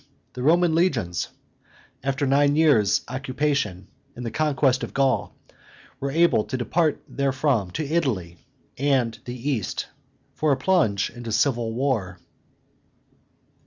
the Roman legions, after nine years' occupation in the conquest of Gaul, were able to depart therefrom to Italy and the East for a plunge into civil war.